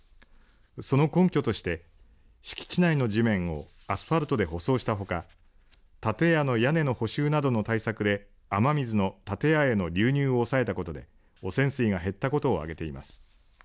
その根拠として敷地内の地面をアスファルトで舗装したほか建屋の屋根の補修などの対策で雨水の建屋への流入を抑えたことで汚染水が減ったことを挙げています。